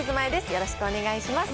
よろしくお願いします。